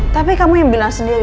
tapi kamu yang bilang sendiri